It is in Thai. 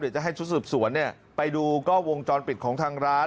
เดี๋ยวจะให้ชุดสอบสวนไปดูวงจรปิดของทางร้าน